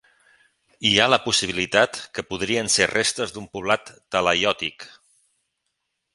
Hi ha la possibilitat que podrien ser restes d'un poblat talaiòtic.